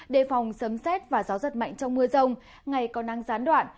đề phòng sấm xét và gió rất mạnh trong mưa rồng ngày còn nắng gián đoạn